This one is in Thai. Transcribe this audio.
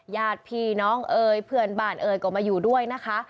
ญาติพี่น้องเอ่ยเพื่อนบ้านเอ๋ยก็มาอยู่ด้วยนะคะ